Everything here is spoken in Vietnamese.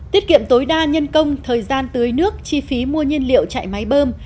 tiết kiệm tối đa nhân công thời gian tưới nước chi phí mua nhiên liệu chạy máy bơm